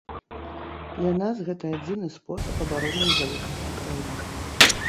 Для нас гэта адзіны спосаб абароны незалежнасці краіны.